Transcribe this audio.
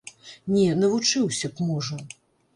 Не, навучыўся б, можа.